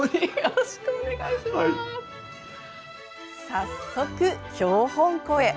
早速、標本庫へ。